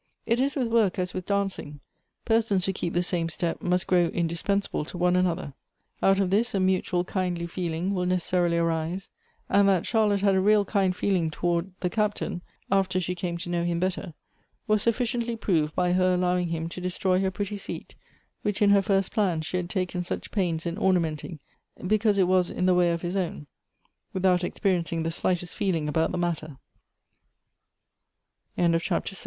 It is with Avork as with dancing; ]>ersons who keep the same step must grow in dispensable to one another. Out of this a mutual kindly feeling will necessarily arise ; and that Charlotte had a real kind feeling towards the Captain, after she came to know him better, was sufficiently proved by her allowing him to destroy her pretty seat, which in her first plans she had taken such pains in ornamenting, because it was in the way of his own, without experiencing the slightest feeling about th